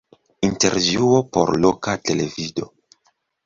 Intervjuo por loka televido.